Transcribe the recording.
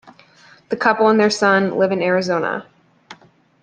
The couple and their son live in Arizona.